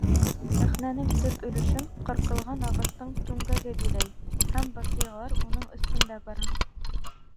Сәхнәнең төп өлөшөн ҡырҡылған ағастың түңгәге биләй һәм ваҡиғалар уның өҫтөндә бара.